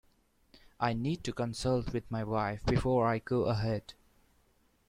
I need to consult with my wife before I go ahead.